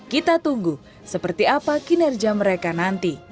kita tunggu seperti apa kinerja mereka nanti